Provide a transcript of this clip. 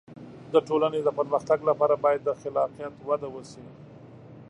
د ټولنې د پرمختګ لپاره باید د خلاقیت وده وشي.